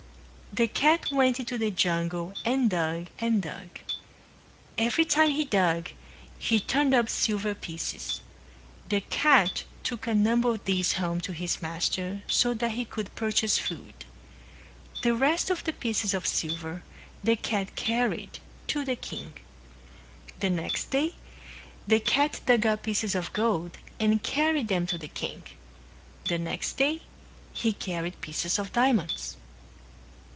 The cat went out into the jungle and dug and dug. Every time he dug he turned up silver pieces. The cat took a number of these home to his master so that he could purchase food. The rest of the pieces of silver the cat carried to the king. The next day the cat dug up pieces of gold and carried them to the king. The next day he carried pieces of diamonds.